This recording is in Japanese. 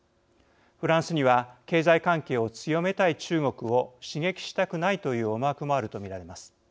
フランスには経済関係を強めたい中国を刺激したくないという思惑もあると見られます。